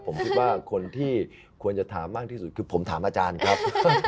ผมคิดว่าคนที่ควรจะถามมากที่สุดคือผมถามอาจารย์ครับ